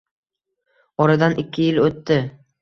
Oradan ikki yil o‘tdi